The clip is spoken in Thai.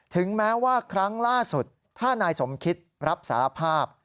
ถึงแม้ว่าครั้งล่าสุดถ้านายสมคิตรับสารภาพ